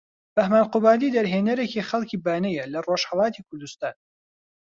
بەهمەن قوبادی دەرهێنەرێکی خەڵکی بانەیە لە رۆژهەڵاتی کوردوستان